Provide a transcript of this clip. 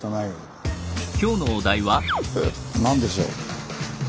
何でしょう？